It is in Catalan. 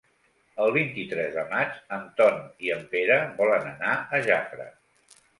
El vint-i-tres de maig en Ton i en Pere volen anar a Jafre.